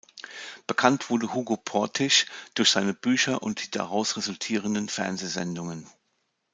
Bekannt wurde Hugo Portisch durch seine Bücher und die daraus resultierenden Fernsehsendungen.